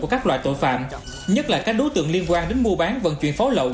của các loại tội phạm nhất là các đối tượng liên quan đến mua bán vận chuyển pháo lậu